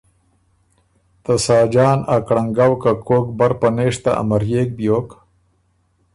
ته ساجان ا کرنګؤ که کوک بر پنېشته امريېک بیوک۔